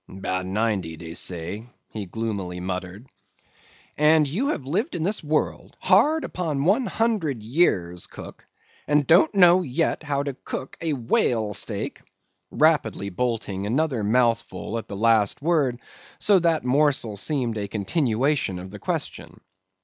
"'Bout ninety, dey say," he gloomily muttered. "And you have lived in this world hard upon one hundred years, cook, and don't know yet how to cook a whale steak?" rapidly bolting another mouthful at the last word, so that morsel seemed a continuation of the question.